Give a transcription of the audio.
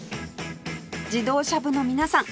自動車部の皆さん